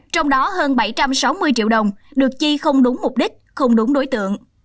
trong đó hơn bảy trăm sáu mươi triệu đồng được chi không đúng mục đích không đúng đối tượng